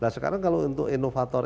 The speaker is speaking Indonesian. nah sekarang kalau untuk inovator